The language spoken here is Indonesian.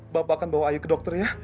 bapak akan bawa ayo ke dokter ya